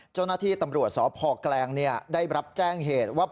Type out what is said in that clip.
เจ้าหน้าที่ตำรวจสพแกลงได้รับแจ้งเหตุว่า